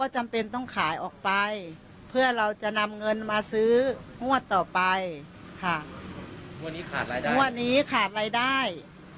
จะนำเงินมาซื้อหัวต่อไปค่ะหัวนี้ขาดรายได้หัวนี้ขาดรายได้